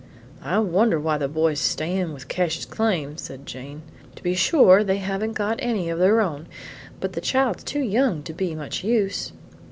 "I wonder why the boy's stayin' with Cassius Came," said Jane. "To be sure they haven't got any of their own, but the child's too young to be much use."